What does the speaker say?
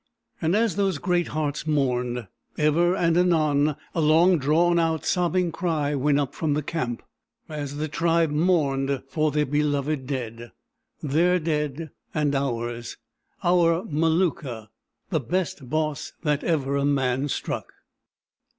And as those great hearts mourned, ever and anon a long drawn out, sobbing cry went up from the camp, as the tribe mourned for their beloved dead—their dead and ours—our Maluka, "the best Boss that ever a man struck."